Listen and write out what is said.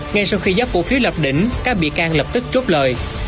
ngay sau khi giao cổ phiếu lập đỉnh các bị can lập tức trốt lời